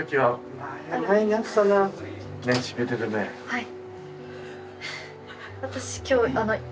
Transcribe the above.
はい。